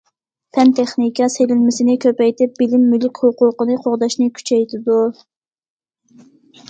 پەن- تېخنىكا سېلىنمىسىنى كۆپەيتىپ، بىلىم مۈلۈك ھوقۇقىنى قوغداشنى كۈچەيتىدۇ.